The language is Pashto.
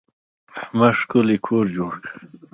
احمد ښکلی کور جوړ کړی.